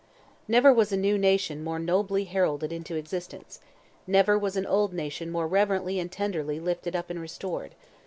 _" Never was a new nation more nobly heralded into existence! Never was an old nation more reverently and tenderly lifted up and restored!